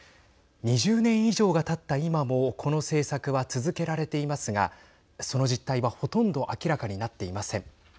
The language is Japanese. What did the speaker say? ２０年以上がたった今もこの政策は続けられていますがその実態は、ほとんど明らかになっていません。